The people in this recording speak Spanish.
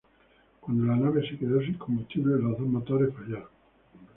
Cuando la nave se quedó sin combustible, los dos motores fallaron.